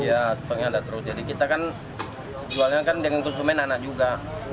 iya stoknya ada terus jadi kita kan jualnya kan dengan konsumen anak juga